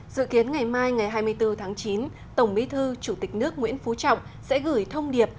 dự kiến ngày mai ngày hai mươi bốn tháng chín tổng bí thư chủ tịch nước nguyễn phú trọng sẽ gửi thông điệp